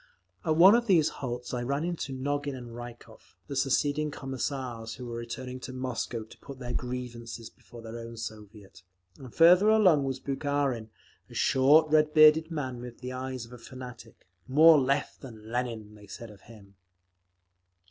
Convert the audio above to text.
At one of these halts I ran into Nogin and Rykov, the seceding Commissars, who were returning to Moscow to put their grievances before their own Soviet, and further along was Bukharin, a short, red bearded man with the eyes of a fanatic—"more Left than Lenin," they said of him….